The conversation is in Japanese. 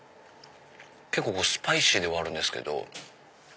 結構スパイシーではあるんですけど。